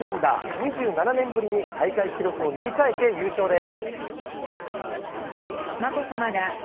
２７年ぶりに大会記録を塗り替えて優勝です。